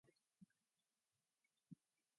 He was an Episcopalian, and a Republican.